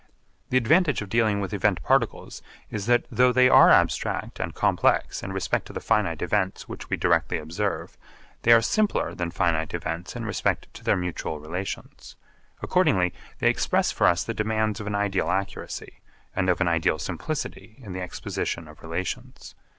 The advantage of dealing with event particles is that though they are abstract and complex in respect to the finite events which we directly observe, they are simpler than finite events in respect to their mutual relations. Accordingly they express for us the demands of an ideal accuracy, and of an ideal simplicity in the exposition of relations.